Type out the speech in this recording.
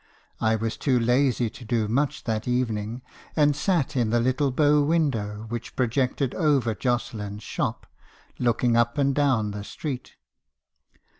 I was too lazy to do much that evening, and sat in the little bow window which projected over Jocelyn's shop, looking up and down the street.